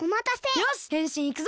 よしへんしんいくぞ！